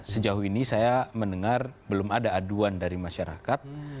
sejauh ini saya mendengar belum ada aduan dari masyarakat